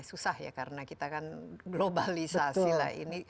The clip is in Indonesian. susah ya karena kita kan globalisasi lah ini